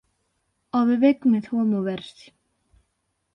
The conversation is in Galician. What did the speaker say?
O bebé comezou a moverse;